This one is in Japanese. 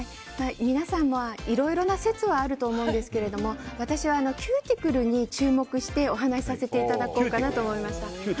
皆さん、いろいろな説はあると思うんですけど私は、キューティクルに注目してお話しさせていただこうかなと思いました。